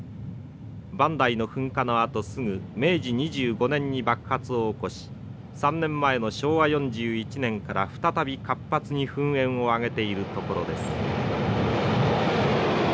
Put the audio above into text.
磐梯の噴火のあとすぐ明治２５年に爆発を起こし３年前の昭和４１年から再び活発に噴煙を上げているところです。